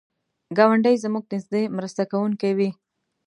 ګاونډی زموږ نږدې مرسته کوونکی وي